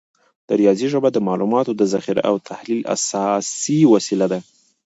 د ریاضي ژبه د معلوماتو د ذخیره او تحلیل اساسي وسیله ده.